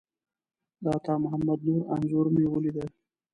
د عطامحمد نور انځور مو ولیده.